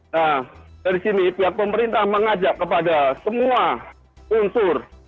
nah dari sini pihak pemerintah mengajak kepada semua unsur